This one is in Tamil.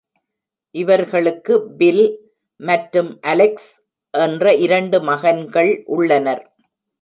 இவர்களுக்கு பில் மற்றும் அலெக்ஸ் என்ற இரண்டு மகன்கள் உள்ளனர்.